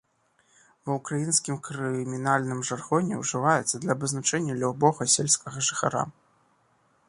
Ва ўкраінскім крымінальным жаргоне ўжываецца для абазначэння любога сельскага жыхара.